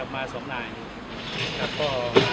มาสงรายนะครับก็